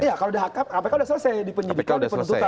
iya kalau di hpk sudah selesai di penyidikan di penutupan